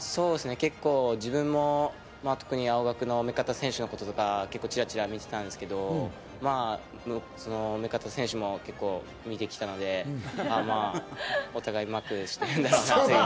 結構、自分も特に青学の目片選手のこととか、ちらちら見ていたんですけど、目片選手も見てきたので、お互いマークしてるんだろうなって。